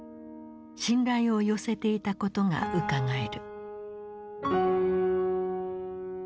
信頼を寄せていたことがうかがえる。